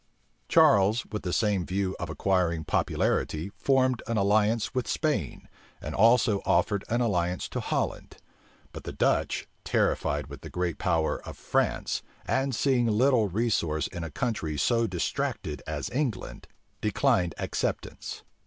Charles, with the same view of acquiring popularity, formed an alliance with Spain, and also offered an alliance to Holland: but the Dutch, terrified with the great power of France, and seeing little resource in a country so distracted as England, declined acceptance.